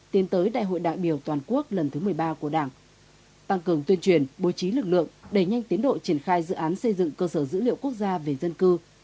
tiến tới đại hội đại biểu toàn quốc lần thứ một mươi ba của đảng tăng cường tuyên truyền bố trí lực lượng đẩy nhanh tiến độ triển khai dự án xây dựng cơ sở dữ liệu quốc gia về dân cư